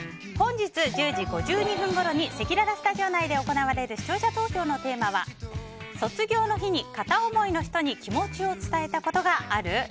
本日１０時５２分ごろにせきららスタジオ内で行われる視聴者投票のテーマは卒業の日に片思いの人に気持ちを伝えたことがある？